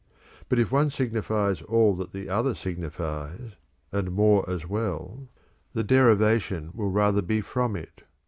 But if one signifies all that the other signifies, and more as well, the derivation will rather be from it.